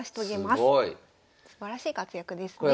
すばらしい活躍ですね。